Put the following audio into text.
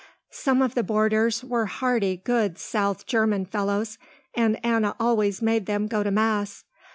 Some of the boarders were hearty good south german fellows and Anna always made them go to mass.